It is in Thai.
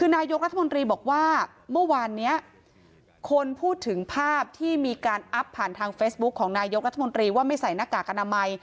นายกรัฐมนตรีบอกว่าเมื่อวานนี้คนพูดถึงภาพที่มีการอัพผ่านทางเฟซบุ๊คของนายกรัฐมนตรีว่าไม่ใส่หน้ากากอนามัย